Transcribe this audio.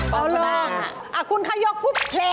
เอาลองคุณขยกพุดเฮ๊ย